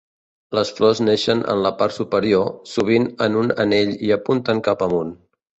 Les flors neixen en la part superior, sovint en un anell i apunten cap amunt.